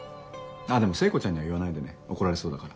でも聖子ちゃんには言わないでね怒られそうだから。